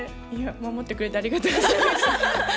守ってくれてありがとうございました。